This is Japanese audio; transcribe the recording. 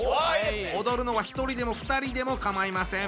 踊るのは１人でも２人でも構いません。